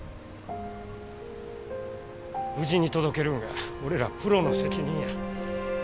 無事に届けるんが俺らプロの責任や。